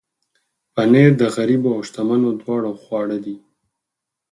پنېر د غریبو او شتمنو دواړو خواړه دي.